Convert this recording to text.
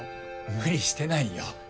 無理してないよ。